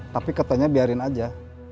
tapi katanya biarin aja